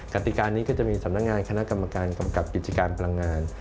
กติการนี้ก็จะมีสำนักงานคณะกรรมการกำกับกิจการพลังงาน